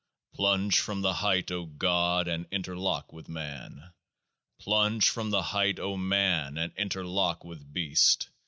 Plunge from the height, O God, and interlock with Man ! Plunge from the height, O Man, and interlock with Beast